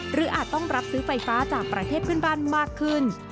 อาจต้องรับซื้อไฟฟ้าจากประเทศเพื่อนบ้านมากขึ้น